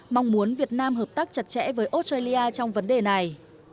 mong muốn việt nam hợp tác chặt chẽ với australia trong vấn đề này